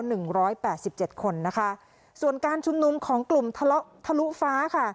หนึ่งร้อยแปดสิบเจ็ดคนนะคะส่วนการชุมนุมของกลุ่มทะเลาะทะลุฟ้าค่ะ